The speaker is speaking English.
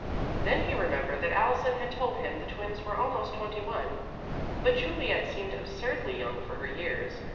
Then he remembered that Allison had told him the twins were almost twenty one, but Juliet seemed absurdly young for her years.